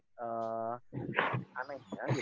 aneh ya gitu ya